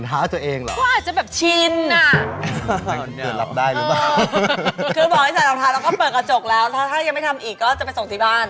ถ้ายังไม่ทำอีกก็จะไปส่งที่บ้าน